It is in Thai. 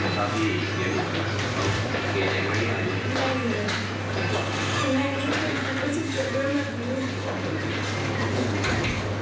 คุณแม่อย่าพูดอะไรกับผู้เสียขาดมาก็ได้